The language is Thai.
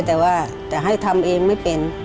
แต่ว่าจะให้ทำเองไม่เป็น